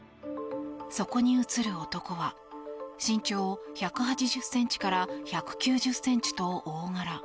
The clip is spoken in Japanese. そこに映る男は身長１８０ｃｍから１９０ｃｍと大柄。